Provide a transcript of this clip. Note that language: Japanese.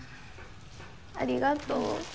ありがとう。